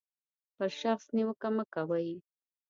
پر شخص نیوکه مه کوئ.